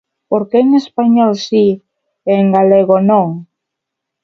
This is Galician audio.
Por que en español si e en galego non?